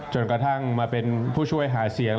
จนกระทั่งมาเป็นผู้ช่วยหาเสียง